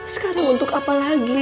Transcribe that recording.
sekarang untuk apa lagi